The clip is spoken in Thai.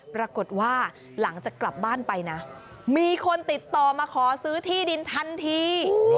ปรากฏว่าหลังจากกลับบ้านไปนะมีคนติดต่อมาขอซื้อที่ดินทันที